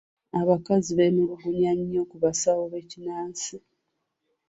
Abakazi beemulugunya nnyo ku basawo b'ekinnansi.